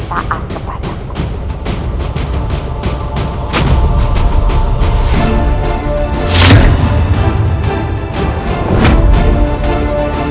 saya akan menyerahkan seluangmu